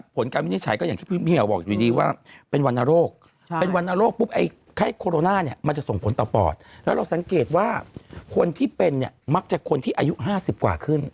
ผลการวินิจฉัยก็อย่างที่พี่เหี่ยวบอกอยู่ดีว่าเป็นวรรณโรคเป็นวรรณโรคปุ๊บไอ้ไข้โคโรนาเนี่ยมันจะส่งผลต่อปอดแล้วเราสังเกตว่าคนที่เป็นเนี่ยมักจะคนที่อายุ๕๐กว่าขึ้น